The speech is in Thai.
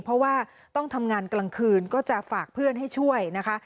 เพราะว่าต้องทำงานกลางคืนก็จะฝากเพื่อนให้ช่วยนะคะ